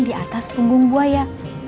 di atas punggung buaya